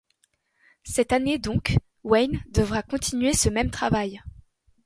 Cette année donc, Wayne devra continuer ce même travail.